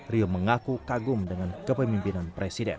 rio mengaku kagum dengan kepemimpinan presiden